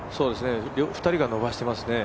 ２人が伸ばしてますね。